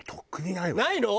ないの！？